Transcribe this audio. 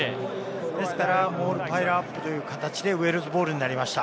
ですからモールパイルアップという形でウェールズボールになりました。